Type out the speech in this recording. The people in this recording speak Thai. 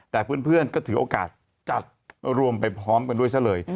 แต่เพื่อนก็ถือโอกาสจัดรวมไปพร้อมกันด้วยซะเลย